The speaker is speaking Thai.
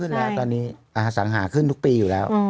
ขึ้นแล้วสัญหาขึ้นทุกปีอยู่แล้ว